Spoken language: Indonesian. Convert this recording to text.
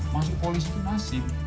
masuk polisi itu nasib